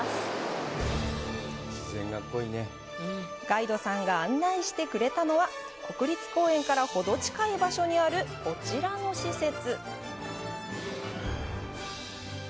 ガイドさんが案内してくれたのは国立公園からほど近い場所にあるこちらの施設。